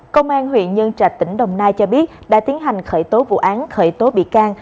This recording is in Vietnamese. công an huyện nhân trạch tỉnh đồng nai cho biết đã tiến hành khởi tố vụ án khởi tố bị can